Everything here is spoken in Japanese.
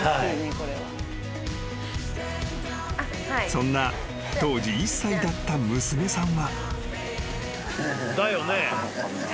［そんな当時１歳だった娘さんは］